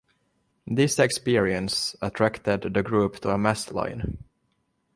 This experience attracted the group to a mass line.